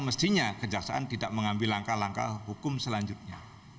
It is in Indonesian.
mestinya kejaksaan tidak mengambil langkah langkah hukum selanjutnya